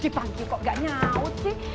dipanggih kok gak nyaut sih